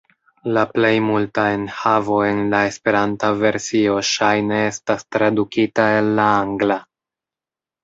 La plej multa enhavo en la Esperanta versio ŝajne estas tradukita el la angla.